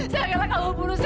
saya rela kamu bunuh saya